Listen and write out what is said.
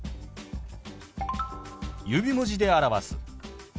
指文字で表す。